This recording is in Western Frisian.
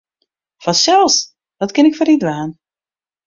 Fansels, wat kin ik foar dy dwaan?